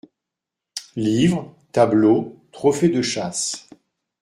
Livres, tableaux, trophées de chasse.